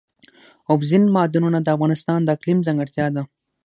اوبزین معدنونه د افغانستان د اقلیم ځانګړتیا ده.